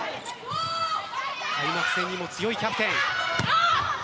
開幕戦にも強いキャプテン。